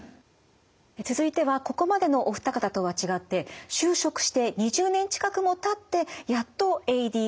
続いてはここまでのお二方とは違って就職して２０年近くもたってやっとＡＤＨＤだと気付いた方もいます。